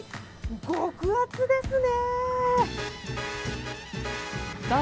極厚ですね！